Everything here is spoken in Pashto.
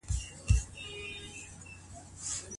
د مېرمني په دفاع کي مرګ شهادت دی.